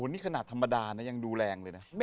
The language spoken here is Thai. นี่ขนาดธรรมดานะยังดูแรงเลยนะ